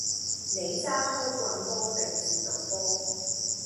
你揸開棍波定自動波？